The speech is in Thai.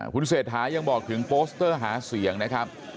คุณเศรษฐายังบอกถึงโปสเตอร์หาเสียงนะครับ